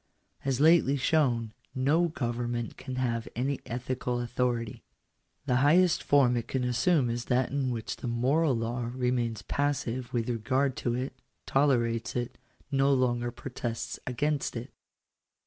As lately shown, no government can have any ethical authority. The highest form it can assume is that in which the moral law remains passive with regard to it — tolerates it — no longer protests against it.